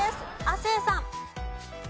亜生さん。